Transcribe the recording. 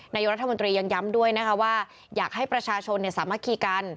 นายกรัฐมนตรียังย้ำด้วยนะคะว่าอยากให้ประชาชนสามัคคีกัน